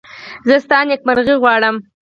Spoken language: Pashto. زه ستا نېکمرغي غواړم.